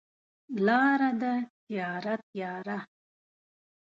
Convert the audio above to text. لاره ده تیاره، تیاره